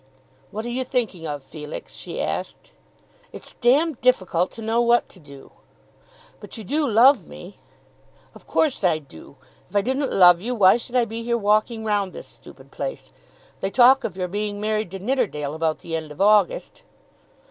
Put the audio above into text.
"What are you thinking of, Felix?" she asked. "It's d difficult to know what to do." "But you do love me?" "Of course I do. If I didn't love you why should I be here walking round this stupid place? They talk of your being married to Nidderdale about the end of August."